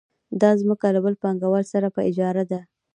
دا ځمکه له بل پانګوال سره په اجاره ده